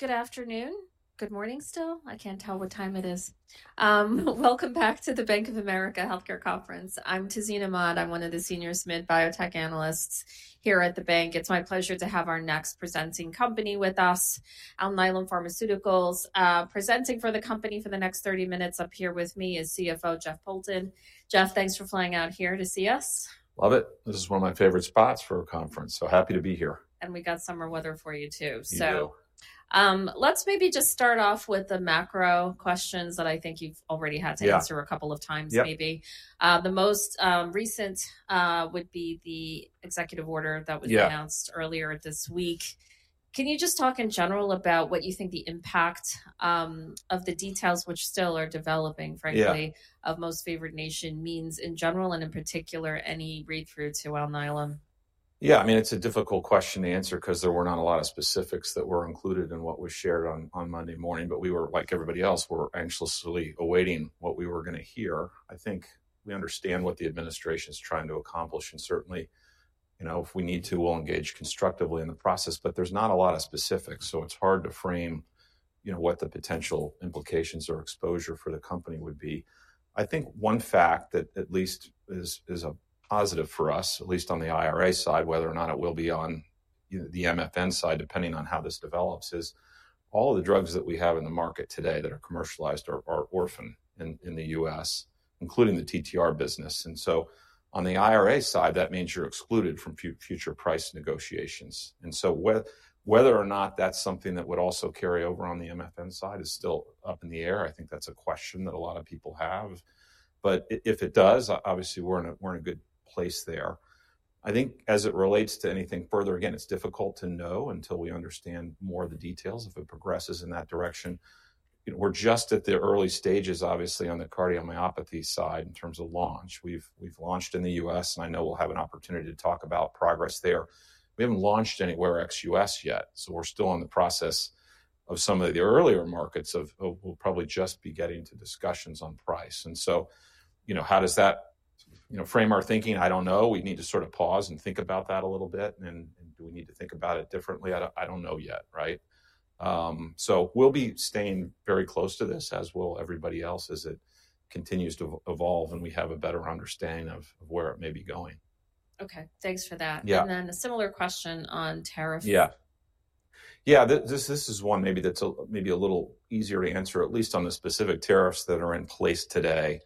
Good afternoon. Good morning still. I can't tell what time it is. Welcome back to the Bank of America Healthcare Conference. I'm Tazeen Ahmad. I'm one of the senior SMID biotech analysts here at the bank. It's my pleasure to have our next presenting company with us, Alnylam Pharmaceuticals. Presenting for the company for the next 30 minutes up here with me is CFO Jeff Poulton. Jeff, thanks for flying out here to see us. Love it. This is one of my favorite spots for a conference, so happy to be here. We got summer weather for you too, so. We do. Let's maybe just start off with the macro questions that I think you've already had to answer a couple of times, maybe. The most recent would be the executive order that was announced earlier this week. Can you just talk in general about what you think the impact of the details, which still are developing, frankly, of Most Favored Nation means in general, and in particular, any read-through to Alnylam? Yeah, I mean, it's a difficult question to answer because there were not a lot of specifics that were included in what was shared on Monday morning, but we were, like everybody else, we're anxiously awaiting what we were going to hear. I think we understand what the administration is trying to accomplish, and certainly, you know, if we need to, we'll engage constructively in the process, but there's not a lot of specifics, so it's hard to frame, you know, what the potential implications or exposure for the company would be. I think one fact that at least is a positive for us, at least on the IRA side, whether or not it will be on the MFN side, depending on how this develops, is all of the drugs that we have in the market today that are commercialized are orphaned in the U.S., including the TTR business. On the IRA side, that means you're excluded from future price negotiations. Whether or not that's something that would also carry over on the MFN side is still up in the air. I think that's a question that a lot of people have. If it does, obviously, we're in a good place there. I think as it relates to anything further, again, it's difficult to know until we understand more of the details if it progresses in that direction. We're just at the early stages, obviously, on the cardiomyopathy side in terms of launch. We've launched in the U.S., and I know we'll have an opportunity to talk about progress there. We haven't launched anywhere ex U.S. yet, so we're still in the process of some of the earlier markets of we'll probably just be getting to discussions on price. You know, how does that, you know, frame our thinking? I do not know. We need to sort of pause and think about that a little bit. Do we need to think about it differently? I do not know yet, right? We will be staying very close to this, as will everybody else, as it continues to evolve and we have a better understanding of where it may be going. Okay, thanks for that. Then a similar question on tariffs. Yeah. Yeah, this is one maybe that's maybe a little easier to answer, at least on the specific tariffs that are in place today.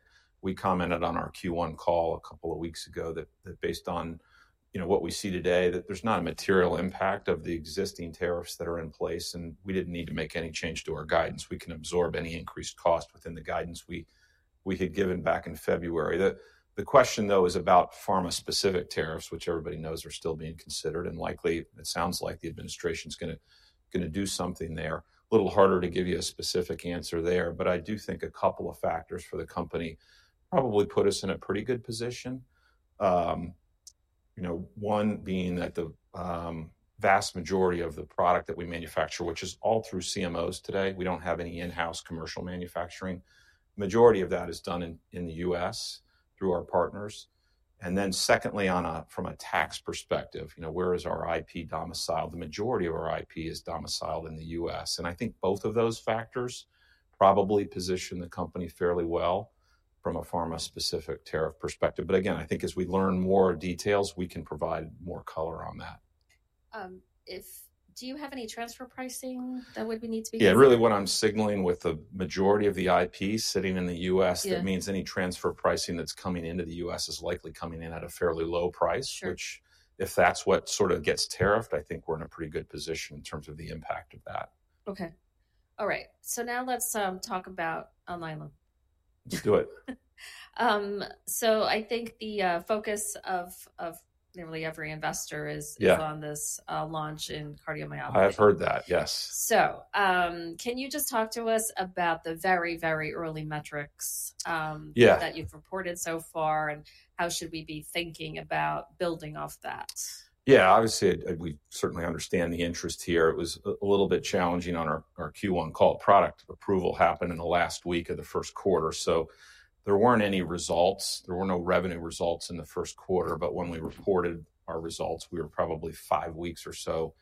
We commented on our Q1 call a couple of weeks ago that based on, you know, what we see today, that there's not a material impact of the existing tariffs that are in place, and we didn't need to make any change to our guidance. We can absorb any increased cost within the guidance we had given back in February. The question, though, is about pharma-specific tariffs, which everybody knows are still being considered, and likely it sounds like the administration's going to do something there. A little harder to give you a specific answer there, but I do think a couple of factors for the company probably put us in a pretty good position. You know, one being that the vast majority of the product that we manufacture, which is all through CMOs today, we do not have any in-house commercial manufacturing. The majority of that is done in the U.S. through our partners. Then secondly, from a tax perspective, you know, where is our IP domiciled? The majority of our IP is domiciled in the U.S. I think both of those factors probably position the company fairly well from a pharma-specific tariff perspective. Again, I think as we learn more details, we can provide more color on that. Do you have any transfer pricing that would need to be? Yeah, really what I'm signaling with the majority of the IP sitting in the U.S., that means any transfer pricing that's coming into the U.S. is likely coming in at a fairly low price, which if that's what sort of gets tariffed, I think we're in a pretty good position in terms of the impact of that. Okay. All right. So now let's talk about Alnylam. Let's do it. I think the focus of nearly every investor is on this launch in cardiomyopathy. I've heard that, yes. Can you just talk to us about the very, very early metrics that you've reported so far, and how should we be thinking about building off that? Yeah, obviously, we certainly understand the interest here. It was a little bit challenging on our Q1 call. Product approval happened in the last week of the first quarter, so there were not any results. There were no revenue results in the first quarter, but when we reported our results, we were probably five weeks or so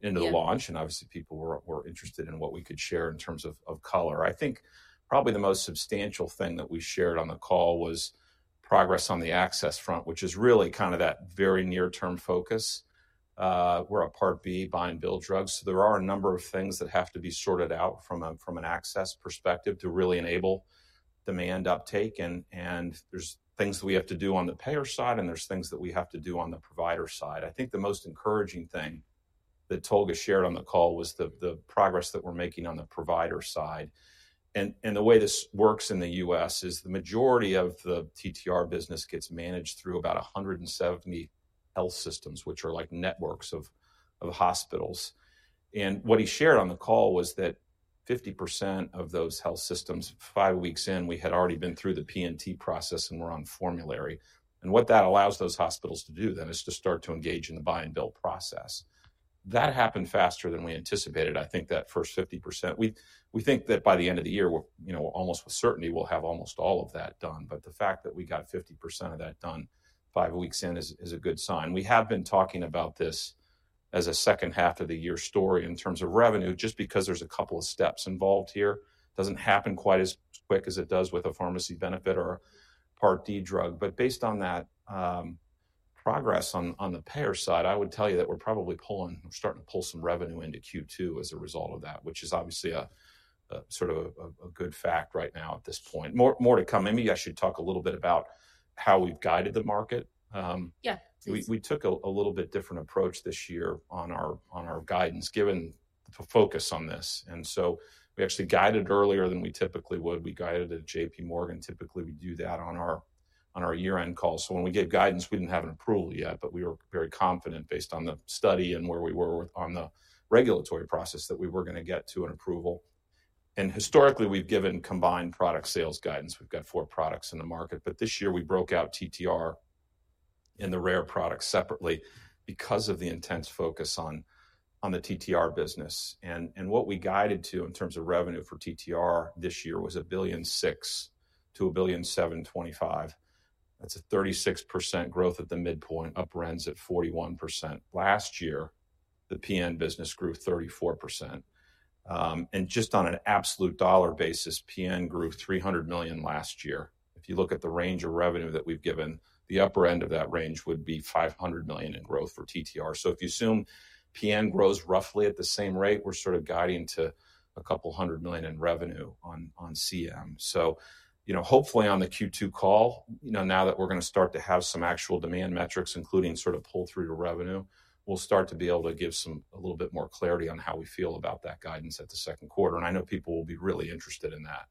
into the launch, and obviously people were interested in what we could share in terms of color. I think probably the most substantial thing that we shared on the call was progress on the access front, which is really kind of that very near-term focus. We're a Part B buy and bill drug, so there are a number of things that have to be sorted out from an access perspective to really enable demand uptake, and there's things that we have to do on the payer side, and there's things that we have to do on the provider side. I think the most encouraging thing that Tolga shared on the call was the progress that we're making on the provider side. The way this works in the U.S. is the majority of the TTR business gets managed through about 170 health systems, which are like networks of hospitals. What he shared on the call was that 50% of those health systems, five weeks in, we had already been through the P&T process and we're on formulary. What that allows those hospitals to do then is to start to engage in the buy and bill process. That happened faster than we anticipated. I think that first 50%, we think that by the end of the year, you know, almost with certainty, we'll have almost all of that done. The fact that we got 50% of that done five weeks in is a good sign. We have been talking about this as a second half of the year story in terms of revenue, just because there's a couple of steps involved here. It does not happen quite as quick as it does with a pharmacy benefit or a Part D drug. Based on that progress on the payer side, I would tell you that we're probably pulling, we're starting to pull some revenue into Q2 as a result of that, which is obviously a sort of a good fact right now at this point. More to come. Maybe I should talk a little bit about how we've guided the market. Yeah. We took a little bit different approach this year on our guidance, given the focus on this. We actually guided earlier than we typically would. We guided at JP Morgan. Typically, we do that on our year-end call. When we gave guidance, we did not have an approval yet, but we were very confident based on the study and where we were on the regulatory process that we were going to get to an approval. Historically, we have given combined product sales guidance. We have four products in the market, but this year we broke out TTR and the rare product separately because of the intense focus on the TTR business. What we guided to in terms of revenue for TTR this year was $1.6 billion-$1.725 billion. That is a 36% growth at the midpoint, up runs at 41%. Last year, the PN business grew 34%. And just on an absolute dollar basis, PN grew $300 million last year. If you look at the range of revenue that we've given, the upper end of that range would be $500 million in growth for TTR. So if you assume PN grows roughly at the same rate, we're sort of guiding to a couple hundred million in revenue on CM. So, you know, hopefully on the Q2 call, you know, now that we're going to start to have some actual demand metrics, including sort of pull-through to revenue, we'll start to be able to give some a little bit more clarity on how we feel about that guidance at the second quarter. And I know people will be really interested in that.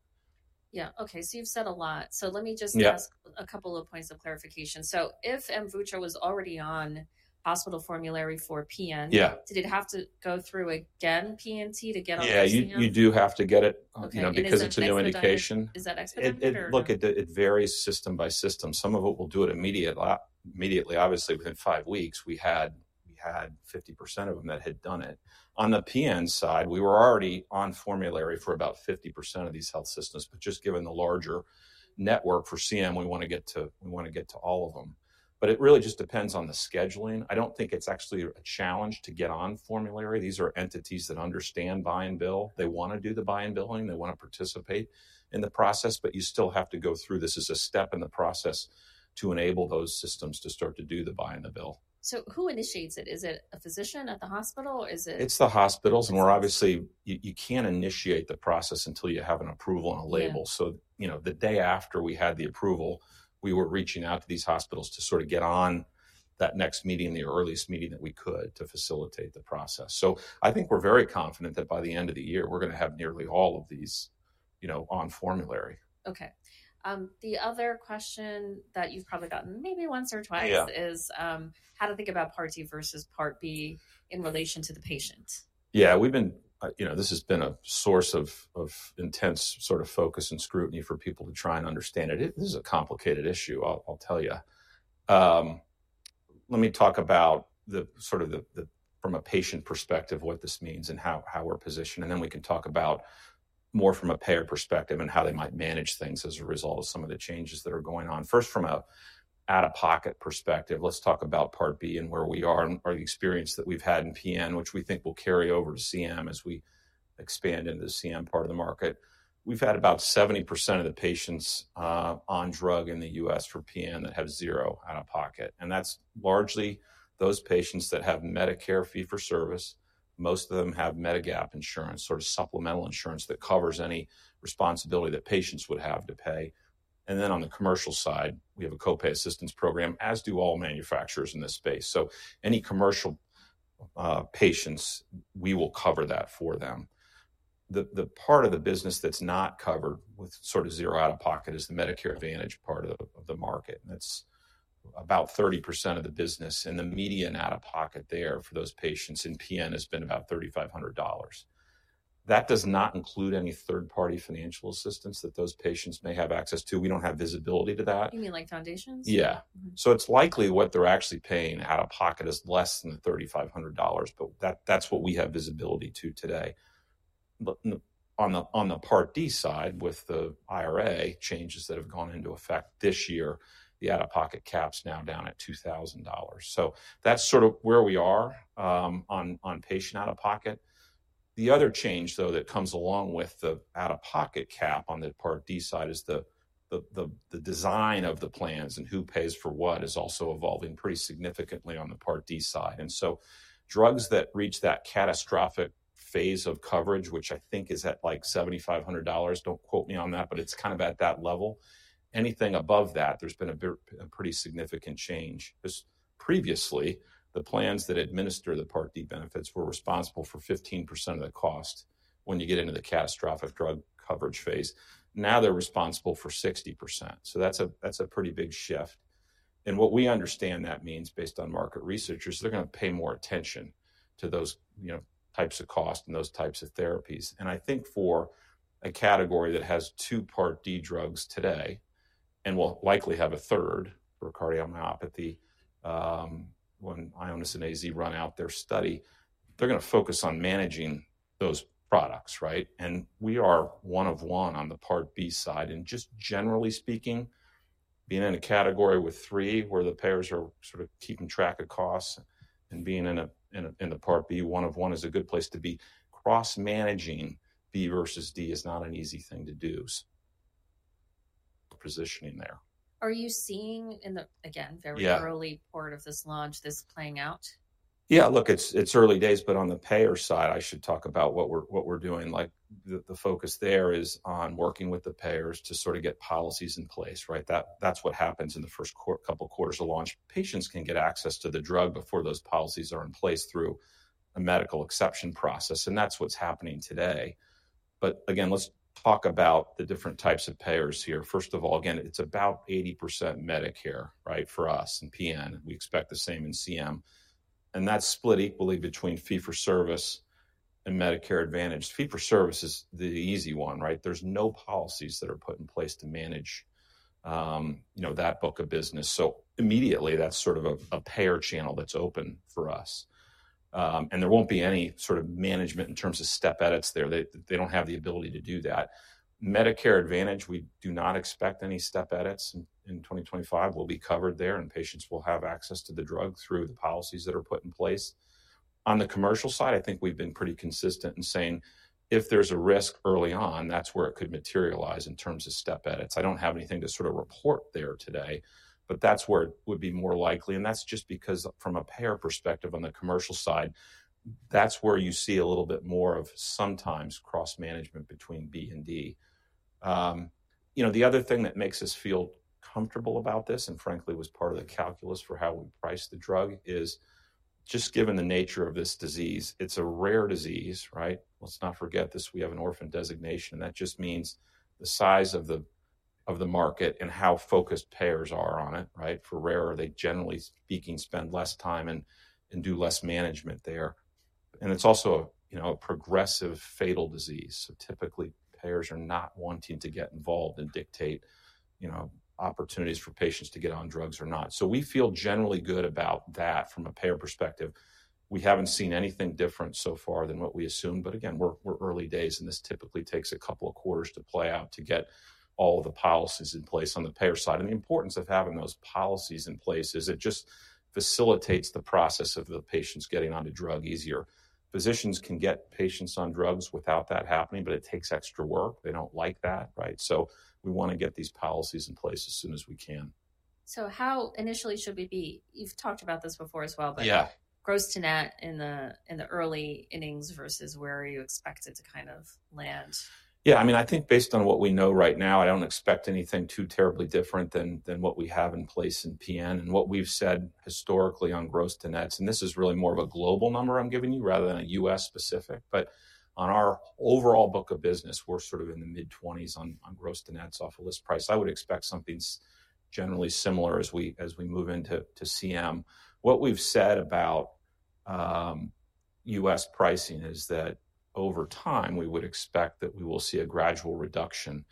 Yeah. Okay, so you've said a lot. Let me just ask a couple of points of clarification. If AMVUTTRA was already on hospital formulary for PN, did it have to go through again P&T to get on the CM? Yeah, you do have to get it, you know, because it's a new indication. Is that expedited care? Look, it varies system by system. Some of it will do it immediately. Obviously, within five weeks, we had 50% of them that had done it. On the PN side, we were already on formulary for about 50% of these health systems, but just given the larger network for CM, we want to get to, we want to get to all of them. It really just depends on the scheduling. I do not think it is actually a challenge to get on formulary. These are entities that understand buy and bill. They want to do the buy and billing. They want to participate in the process, but you still have to go through. This is a step in the process to enable those systems to start to do the buy and the bill. Who initiates it? Is it a physician at the hospital? Is it? It's the hospitals. And we're obviously, you can't initiate the process until you have an approval and a label. So, you know, the day after we had the approval, we were reaching out to these hospitals to sort of get on that next meeting, the earliest meeting that we could, to facilitate the process. So I think we're very confident that by the end of the year, we're going to have nearly all of these, you know, on formulary. Okay. The other question that you've probably gotten maybe once or twice is how to think about Part D versus Part B in relation to the patient. Yeah, we've been, you know, this has been a source of intense sort of focus and scrutiny for people to try and understand it. This is a complicated issue, I'll tell you. Let me talk about the sort of the, from a patient perspective, what this means and how we're positioned. Then we can talk about more from a payer perspective and how they might manage things as a result of some of the changes that are going on. First, from an out-of-pocket perspective, let's talk about Part B and where we are and the experience that we've had in PN, which we think will carry over to CM as we expand into the CM part of the market. We've had about 70% of the patients on drug in the U.S. for PN that have zero out-of-pocket. That's largely those patients that have Medicare fee-for-service. Most of them have Medigap insurance, sort of supplemental insurance that covers any responsibility that patients would have to pay. On the commercial side, we have a copay assistance program, as do all manufacturers in this space. Any commercial patients, we will cover that for them. The part of the business that is not covered with sort of zero out-of-pocket is the Medicare Advantage part of the market. That is about 30% of the business. The median out-of-pocket there for those patients in PN has been about $3,500. That does not include any third-party financial assistance that those patients may have access to. We do not have visibility to that. You mean like foundations? Yeah. So it's likely what they're actually paying out-of-pocket is less than $3,500, but that's what we have visibility to today. On the Part D side, with the IRA changes that have gone into effect this year, the out-of-pocket cap's now down at $2,000. That's sort of where we are on patient out-of-pocket. The other change, though, that comes along with the out-of-pocket cap on the Part D side is the design of the plans and who pays for what is also evolving pretty significantly on the Part D side. Drugs that reach that catastrophic phase of coverage, which I think is at like $7,500, don't quote me on that, but it's kind of at that level. Anything above that, there's been a pretty significant change. Previously, the plans that administer the Part D benefits were responsible for 15% of the cost when you get into the catastrophic drug coverage phase. Now they're responsible for 60%. That is a pretty big shift. What we understand that means, based on market researchers, is they're going to pay more attention to those, you know, types of cost and those types of therapies. I think for a category that has two Part D drugs today and will likely have a third for cardiomyopathy, when Ionis and AZ run out their study, they're going to focus on managing those products, right? We are one of one on the Part B side. Just generally speaking, being in a category with three where the payers are sort of keeping track of costs and being in the Part B, one of one is a good place to be. Cross-managing B versus D is not an easy thing to do. Positioning there. Are you seeing in the, again, very early part of this launch, this playing out? Yeah, look, it's early days, but on the payer side, I should talk about what we're doing. Like the focus there is on working with the payers to sort of get policies in place, right? That's what happens in the first couple of quarters of launch. Patients can get access to the drug before those policies are in place through a medical exception process, and that's what's happening today. Again, let's talk about the different types of payers here. First of all, again, it's about 80% Medicare, right, for us in PN. We expect the same in CM. And that's split equally between fee-for-service and Medicare Advantage. Fee-for-service is the easy one, right? There's no policies that are put in place to manage, you know, that book of business. Immediately, that's sort of a payer channel that's open for us. There will not be any sort of management in terms of step edits there. They do not have the ability to do that. Medicare Advantage, we do not expect any step edits. In 2025, we will be covered there, and patients will have access to the drug through the policies that are put in place. On the commercial side, I think we have been pretty consistent in saying if there is a risk early on, that is where it could materialize in terms of step edits. I do not have anything to sort of report there today, but that is where it would be more likely. That is just because from a payer perspective on the commercial side, that is where you see a little bit more of sometimes cross-management between B and D. You know, the other thing that makes us feel comfortable about this, and frankly, was part of the calculus for how we price the drug, is just given the nature of this disease, it is a rare disease, right? Let's not forget this. We have an orphan designation, and that just means the size of the market and how focused payers are on it, right? For rare, they generally speaking, spend less time and do less management there. It is also a, you know, a progressive fatal disease. Typically, payers are not wanting to get involved and dictate, you know, opportunities for patients to get on drugs or not. We feel generally good about that from a payer perspective. We have not seen anything different so far than what we assumed. Again, we're early days, and this typically takes a couple of quarters to play out to get all the policies in place on the payer side. The importance of having those policies in place is it just facilitates the process of the patients getting onto drug easier. Physicians can get patients on drugs without that happening, but it takes extra work. They do not like that, right? We want to get these policies in place as soon as we can. How initially should we be? You've talked about this before as well, but gross to net in the early innings versus where you expect it to kind of land. Yeah, I mean, I think based on what we know right now, I do not expect anything too terribly different than what we have in place in PN and what we have said historically on gross to nets. This is really more of a global number I am giving you rather than a U.S. specific. On our overall book of business, we are sort of in the mid-20s on gross to nets off a list price. I would expect something generally similar as we move into CM. What we have said about U.S. pricing is that over time, we would expect that we will see a gradual reduction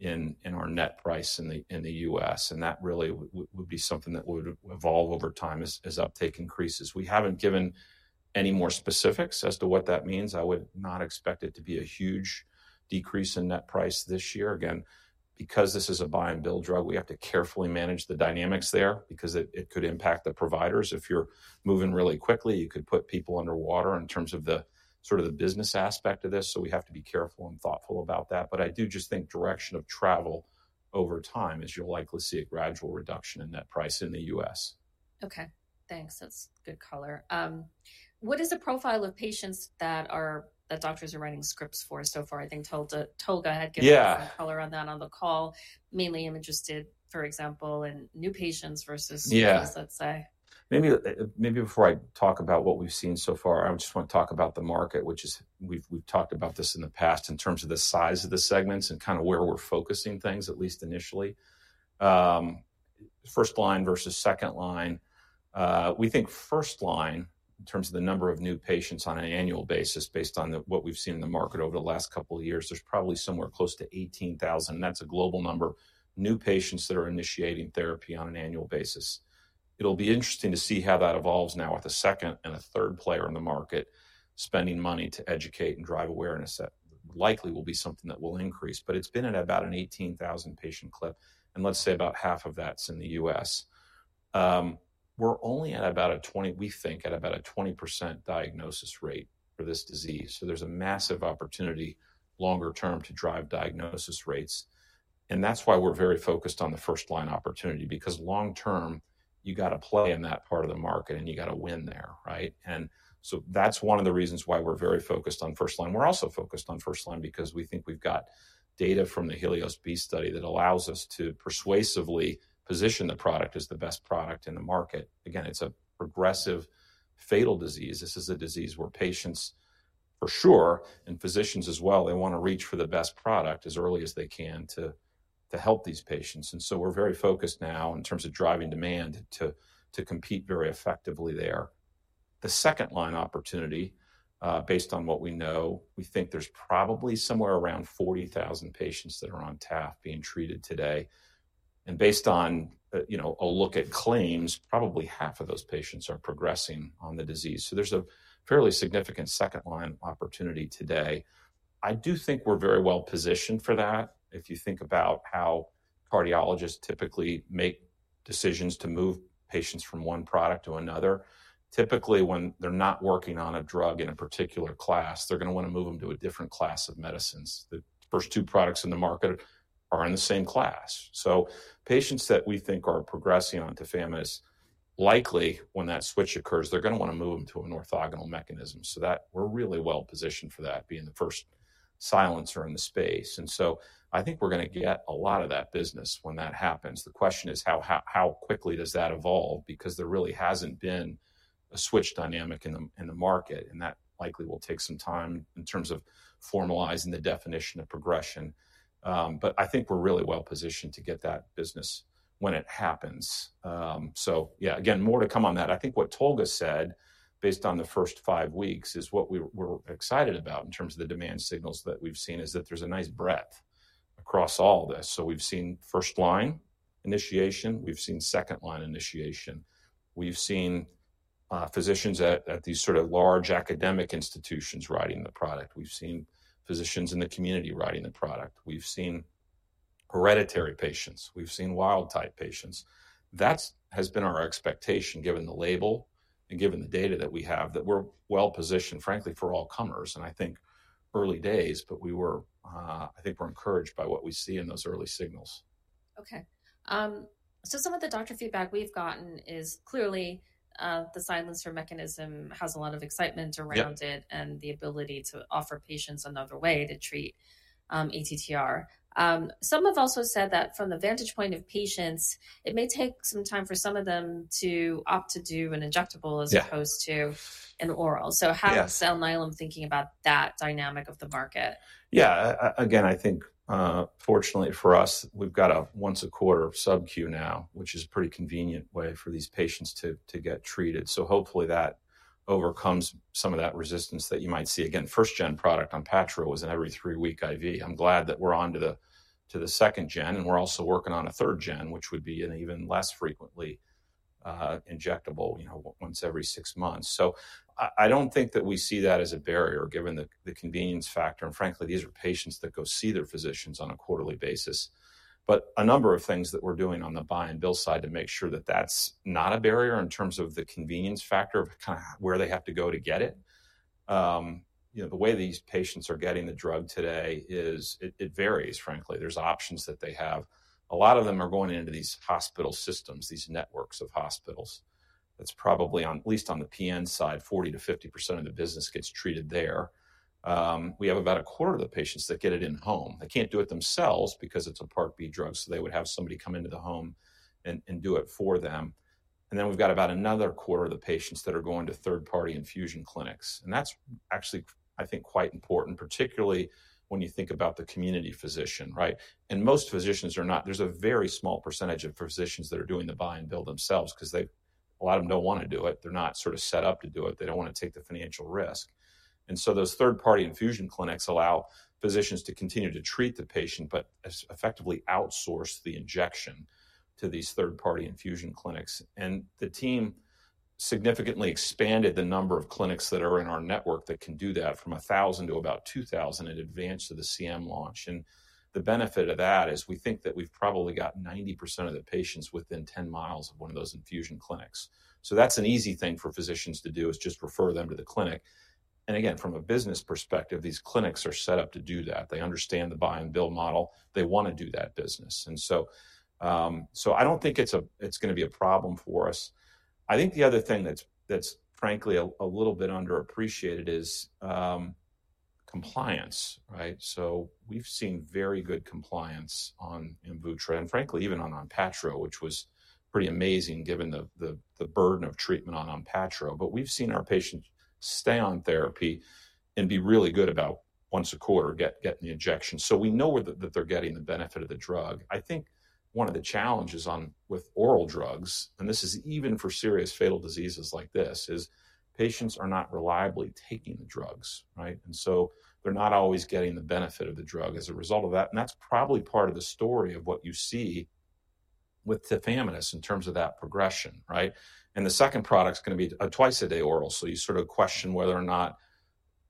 in our net price in the U.S. That really would be something that would evolve over time as uptake increases. We have not given any more specifics as to what that means. I would not expect it to be a huge decrease in net price this year. Again, because this is a buy and bill drug, we have to carefully manage the dynamics there because it could impact the providers. If you're moving really quickly, you could put people underwater in terms of the sort of the business aspect of this. We have to be careful and thoughtful about that. I do just think direction of travel over time is you'll likely see a gradual reduction in net price in the U.S. Okay. Thanks. That's good color. What is the profile of patients that doctors are writing scripts for so far? I think Tolga had given some color on that on the call. Mainly I'm interested, for example, in new patients versus new ones, let's say. Maybe before I talk about what we've seen so far, I just want to talk about the market, which is we've talked about this in the past in terms of the size of the segments and kind of where we're focusing things, at least initially. First line versus second line. We think first line in terms of the number of new patients on an annual basis based on what we've seen in the market over the last couple of years, there's probably somewhere close to 18,000. That's a global number. New patients that are initiating therapy on an annual basis. It'll be interesting to see how that evolves now with a second and a third player in the market spending money to educate and drive awareness. That likely will be something that will increase. It's been at about an 18,000 patient clip. Let's say about half of that's in the U.S. We're only at about a 20%, we think at about a 20% diagnosis rate for this disease. There is a massive opportunity longer term to drive diagnosis rates. That is why we're very focused on the first line opportunity because long term, you got to play in that part of the market and you got to win there, right? That is one of the reasons why we're very focused on first line. We're also focused on first line because we think we've got data from the Helios B study that allows us to persuasively position the product as the best product in the market. Again, it's a progressive fatal disease. This is a disease where patients for sure and physicians as well, they want to reach for the best product as early as they can to help these patients. We're very focused now in terms of driving demand to compete very effectively there. The second line opportunity, based on what we know, we think there's probably somewhere around 40,000 patients that are on Tafamidis being treated today. Based on, you know, a look at claims, probably half of those patients are progressing on the disease. There's a fairly significant second line opportunity today. I do think we're very well positioned for that. If you think about how cardiologists typically make decisions to move patients from one product to another, typically when they're not working on a drug in a particular class, they're going to want to move them to a different class of medicines. The first two products in the market are in the same class. Patients that we think are progressing on Tafamidis, likely when that switch occurs, they're going to want to move them to an orthogonal mechanism. We are really well positioned for that, being the first silencer in the space. I think we're going to get a lot of that business when that happens. The question is how quickly does that evolve because there really hasn't been a switch dynamic in the market. That likely will take some time in terms of formalizing the definition of progression. I think we're really well positioned to get that business when it happens. Yeah, again, more to come on that. I think what Tolga said based on the first five weeks is what we're excited about in terms of the demand signals that we've seen, that there's a nice breadth across all this. We have seen first line initiation. We have seen second line initiation. We have seen physicians at these sort of large academic institutions writing the product. We have seen physicians in the community writing the product. We have seen hereditary patients. We have seen wild type patients. That has been our expectation given the label and given the data that we have that we are well positioned, frankly, for all comers. I think early days, but we are, I think we are encouraged by what we see in those early signals. Okay. Some of the doctor feedback we've gotten is clearly the silencer mechanism has a lot of excitement around it and the ability to offer patients another way to treat ATTR. Some have also said that from the vantage point of patients, it may take some time for some of them to opt to do an injectable as opposed to an oral. How does Alnylam thinking about that dynamic of the market? Yeah, again, I think fortunately for us, we've got a once a quarter sub-q now, which is a pretty convenient way for these patients to get treated. Hopefully that overcomes some of that resistance that you might see. Again, first-gen product Onpattro was an every three week IV. I'm glad that we're on to the second-gen, and we're also working on a third-gen, which would be an even less frequently injectable, you know, once every six months. I don't think that we see that as a barrier given the convenience factor. Frankly, these are patients that go see their physicians on a quarterly basis. A number of things that we're doing on the buy and bill side to make sure that that's not a barrier in terms of the convenience factor of kind of where they have to go to get it. You know, the way these patients are getting the drug today is it varies, frankly. There's options that they have. A lot of them are going into these hospital systems, these networks of hospitals. That's probably on, at least on the PN side, 40-50% of the business gets treated there. We have about a quarter of the patients that get it in home. They can't do it themselves because it's a Part B drug. They would have somebody come into the home and do it for them. Then we've got about another quarter of the patients that are going to third party infusion clinics. That's actually, I think, quite important, particularly when you think about the community physician, right? Most physicians are not, there's a very small percentage of physicians that are doing the buy and bill themselves because a lot of them do not want to do it. They're not sort of set up to do it. They do not want to take the financial risk. Those third party infusion clinics allow physicians to continue to treat the patient, but effectively outsource the injection to these third party infusion clinics. The team significantly expanded the number of clinics that are in our network that can do that from 1,000 to about 2,000 in advance of the CM launch. The benefit of that is we think that we've probably got 90% of the patients within 10 mi of one of those infusion clinics. That is an easy thing for physicians to do, just refer them to the clinic. Again, from a business perspective, these clinics are set up to do that. They understand the buy and bill model. They want to do that business. I do not think it is going to be a problem for us. I think the other thing that is frankly a little bit underappreciated is compliance, right? We have seen very good compliance on AMVUTTRA and frankly even on Onpattro, which was pretty amazing given the burden of treatment on Onpattro. We have seen our patients stay on therapy and be really good about once a quarter getting the injection. We know that they are getting the benefit of the drug. I think one of the challenges with oral drugs, and this is even for serious fatal diseases like this, is patients are not reliably taking the drugs, right? They're not always getting the benefit of the drug as a result of that. That's probably part of the story of what you see with Tafamidis in terms of that progression, right? The second product's going to be a twice a day oral. You sort of question whether or not,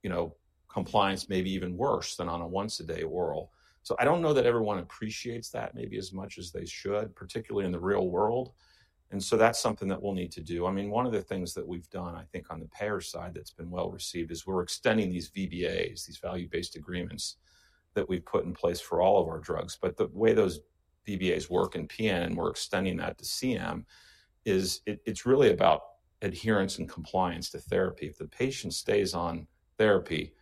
you know, compliance may be even worse than on a once a day oral. I don't know that everyone appreciates that maybe as much as they should, particularly in the real world. That's something that we'll need to do. I mean, one of the things that we've done, I think on the payer side that's been well received is we're extending these VBAs, these value-based agreements that we've put in place for all of our drugs. The way those VBAs work in PN and we're extending that to CM is it's really about adherence and compliance to therapy. If the patient stays on therapy,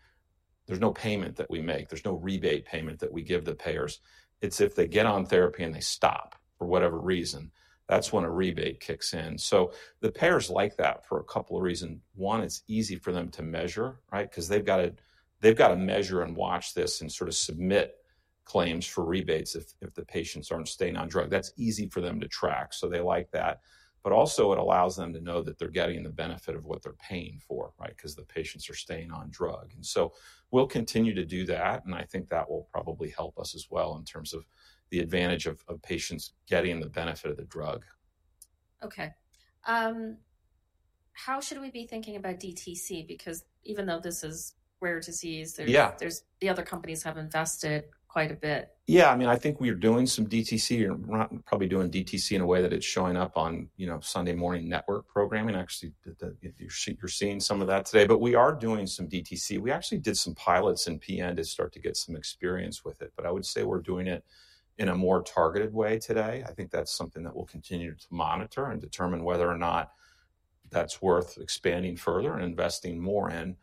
there's no payment that we make. There's no rebate payment that we give the payers. It's if they get on therapy and they stop for whatever reason, that's when a rebate kicks in. The payers like that for a couple of reasons. One, it's easy for them to measure, right? Because they've got to measure and watch this and sort of submit claims for rebates if the patients aren't staying on drug. That's easy for them to track. They like that. It also allows them to know that they're getting the benefit of what they're paying for, right? Because the patients are staying on drug. We'll continue to do that. I think that will probably help us as well in terms of the advantage of patients getting the benefit of the drug. Okay. How should we be thinking about DTC? Because even though this is rare disease, the other companies have invested quite a bit. Yeah, I mean, I think we're doing some DTC. We're probably doing DTC in a way that it's showing up on, you know, Sunday morning network programming. Actually, you're seeing some of that today. We are doing some DTC. We actually did some pilots in PN to start to get some experience with it. I would say we're doing it in a more targeted way today. I think that's something that we'll continue to monitor and determine whether or not that's worth expanding further and investing more in.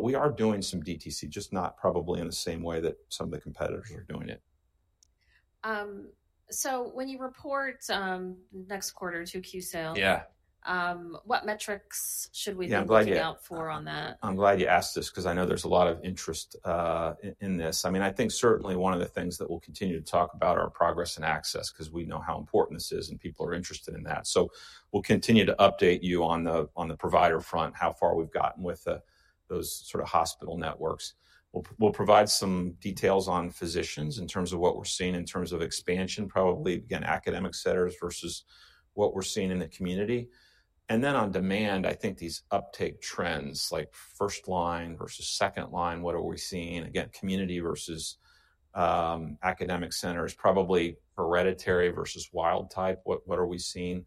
We are doing some DTC, just not probably in the same way that some of the competitors are doing it. When you report next quarter two- Q2 sales, what metrics should we be looking out for on that? I'm glad you asked this because I know there's a lot of interest in this. I mean, I think certainly one of the things that we'll continue to talk about are progress and access because we know how important this is and people are interested in that. We'll continue to update you on the provider front, how far we've gotten with those sort of hospital networks. We'll provide some details on physicians in terms of what we're seeing in terms of expansion, probably again, academic centers versus what we're seeing in the community. On demand, I think these uptake trends like first line versus second line, what are we seeing? Again, community versus academic centers, probably hereditary versus wild type, what are we seeing?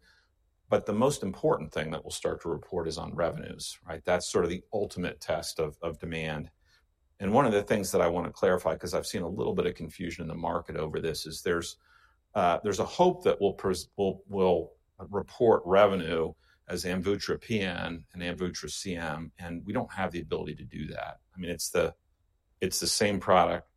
The most important thing that we'll start to report is on revenues, right? That's sort of the ultimate test of demand. One of the things that I want to clarify because I've seen a little bit of confusion in the market over this is there's a hope that we'll report revenue as AMVUTTRA PN and AMVUTTRA CM, and we don't have the ability to do that. I mean, it's the same product.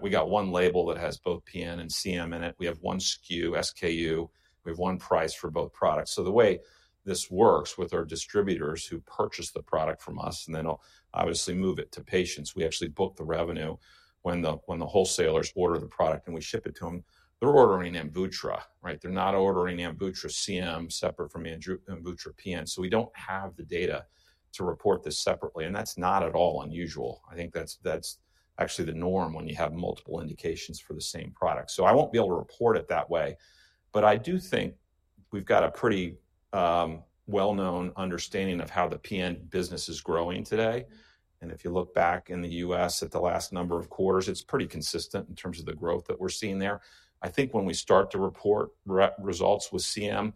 We got one label that has both PN and CM in it. We have one SKU, SKU. We have one price for both products. The way this works with our distributors who purchase the product from us and then obviously move it to patients, we actually book the revenue when the wholesalers order the product and we ship it to them. They're ordering AMVUTTRA, right? They're not ordering AMVUTTRA CM separate from AMVUTTRA PN. We don't have the data to report this separately. That's not at all unusual. I think that's actually the norm when you have multiple indications for the same product. I won't be able to report it that way. I do think we've got a pretty well-known understanding of how the PN business is growing today. If you look back in the U.S. at the last number of quarters, it's pretty consistent in terms of the growth that we're seeing there. I think when we start to report results with CM,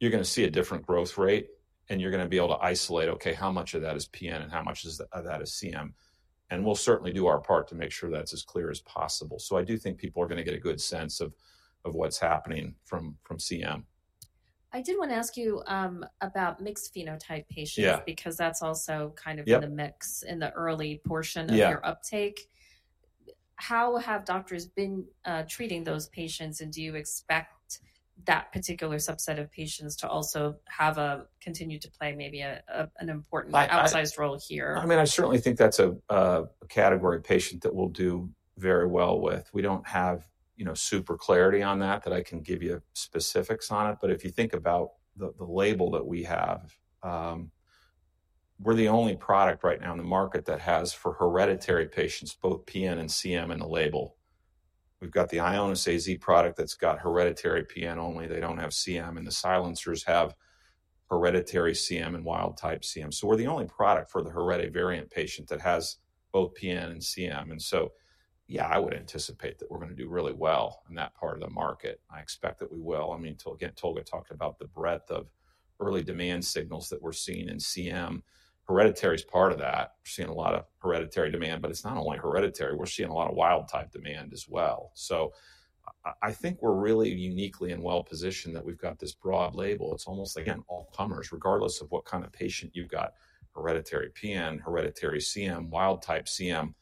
you're going to see a different growth rate and you're going to be able to isolate, okay, how much of that is PN and how much of that is CM. We'll certainly do our part to make sure that's as clear as possible. I do think people are going to get a good sense of what's happening from CM. I did want to ask you about mixed phenotype patients because that's also kind of in the mix in the early portion of your uptake. How have doctors been treating those patients? Do you expect that particular subset of patients to also continue to play maybe an important outsized role here? I mean, I certainly think that's a category of patient that we'll do very well with. We don't have, you know, super clarity on that that I can give you specifics on it. If you think about the label that we have, we're the only product right now in the market that has for hereditary patients, both PN and CM in the label. We've got the Ionis AZ product that's got hereditary PN only. They don't have CM. The silencers have hereditary CM and wild type CM. We're the only product for the hereditary variant patient that has both PN and CM. Yeah, I would anticipate that we're going to do really well in that part of the market. I expect that we will. I mean, again, Tolga talked about the breadth of early demand signals that we're seeing in CM. Hereditary is part of that. We're seeing a lot of hereditary demand, but it's not only hereditary. We're seeing a lot of wild type demand as well. I think we're really uniquely and well positioned that we've got this broad label. It's almost like an all comers, regardless of what kind of patient you've got, hereditary PN, hereditary CM, wild type CM,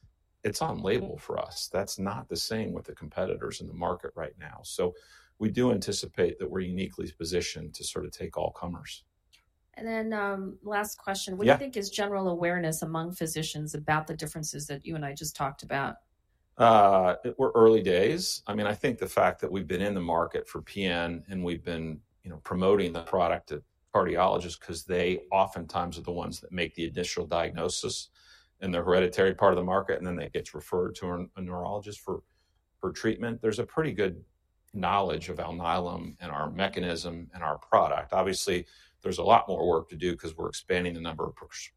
it's on label for us. That's not the same with the competitors in the market right now. We do anticipate that we're uniquely positioned to sort of take all comers. Last question, what do you think is general awareness among physicians about the differences that you and I just talked about? We're early days. I mean, I think the fact that we've been in the market for PN and we've been, you know, promoting the product to cardiologists because they oftentimes are the ones that make the initial diagnosis in the hereditary part of the market, and then it gets referred to a neurologist for treatment. There's a pretty good knowledge of Alnylam and our mechanism and our product. Obviously, there's a lot more work to do because we're expanding the number of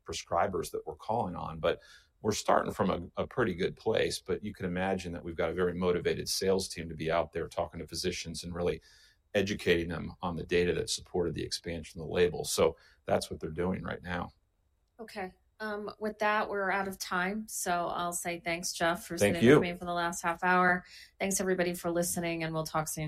prescribers that we're calling on, but we're starting from a pretty good place. You can imagine that we've got a very motivated sales team to be out there talking to physicians and really educating them on the data that supported the expansion of the label. That's what they're doing right now. Okay. With that, we're out of time. So I'll say thanks, Jeff, for staying with me for the last half hour. Thanks, everybody, for listening, and we'll talk soon.